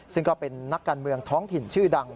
ซึ่งก็เป็นนักการเมืองท้องถิ่นชื่อดัง